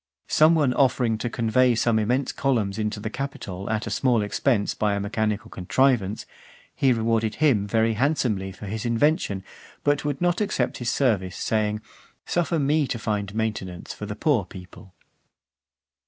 Some one offering to convey some immense columns into the Capitol at a small expense by a mechanical contrivance, he rewarded him very handsomely for his invention, but would not accept his service, saying, "Suffer me to find maintenance for the poor people."